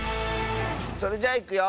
それじゃいくよ！